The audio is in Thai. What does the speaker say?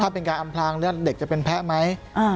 เป็นการอำพลางเลือดเด็กจะเป็นแพ้ไหม